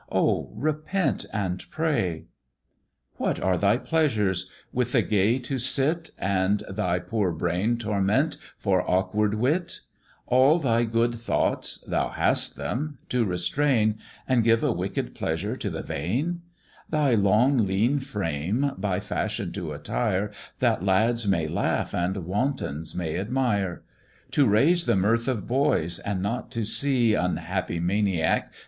Oh? repent and pray. "What are thy pleasures? with the gay to sit, And thy poor brain torment for awkward wit; All thy good thoughts (thou hat'st them) to restrain, And give a wicked pleasure to the vain; Thy long, lean frame by fashion to attire, That lads may laugh and wantons may admire; To raise the mirth of boys, and not to see, Unhappy maniac!